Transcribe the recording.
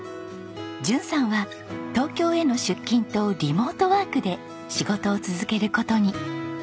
淳さんは東京への出勤とリモートワークで仕事を続ける事に。